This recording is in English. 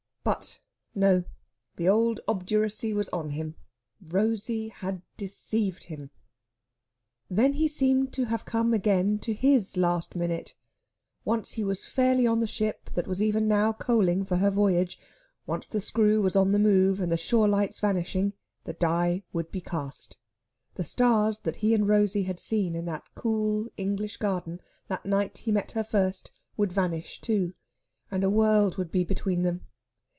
But no; the old obduracy was on him. Rosey had deceived him! Then he seemed to have come again to his last minute. Once he was fairly on the ship that was even now coaling for her voyage, once the screw was on the move and the shore lights vanishing, the die would be cast. The stars that he and Rosey had seen in that cool English garden that night he met her first would vanish, too, and a world would be between them.